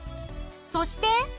そして。